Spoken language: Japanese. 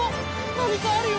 なにかあるよ！